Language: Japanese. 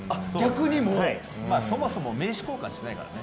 そもそも名刺交換してないからね。